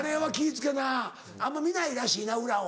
付けなあんま見ないらしいな裏を。